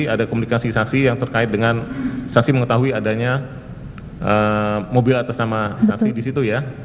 ada komunikasi saksi yang terkait dengan saksi mengetahui adanya mobil atas nama saksi di situ ya